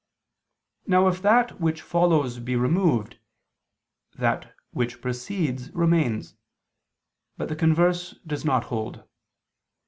Now if that which follows be removed, that which precedes, remains, but the converse does not hold.